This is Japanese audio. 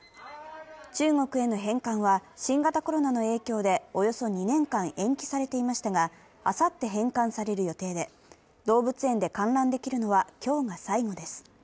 中国への返還は新型コロナの影響でおよそ２年間延期されていましたがあさって返還される予定で、動物園で観覧できるのは今日が最後です。